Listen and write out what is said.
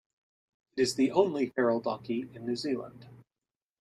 It is the only feral donkey in New Zealand.